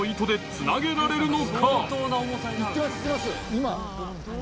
今。